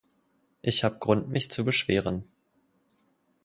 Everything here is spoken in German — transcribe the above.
Ich hab Grund mich zu beschweren